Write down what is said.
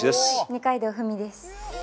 二階堂ふみです